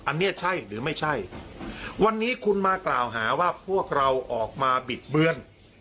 อันนี้ใช่หรือไม่ใช่วันนี้คุณมากล่าวหาว่าพวกเราออกมาบิดเบือน